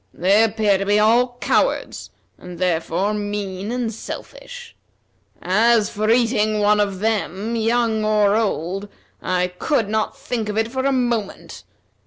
They appear to be all cowards, and, therefore, mean and selfish. As for eating one of them, old or young, I could not think of it for a moment.